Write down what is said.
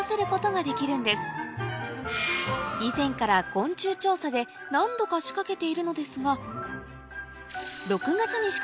以前から昆虫調査で何度か仕掛けているのですが午後８時います。